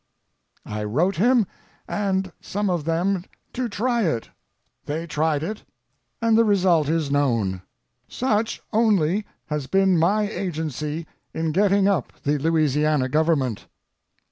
I wrote him, and some of them to try it; they tried it, and the result is known. Such only has been my agency in getting up the Louisiana government.